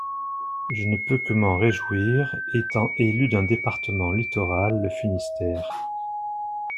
Je ne peux que m’en réjouir, étant élue d’un département littoral, le Finistère.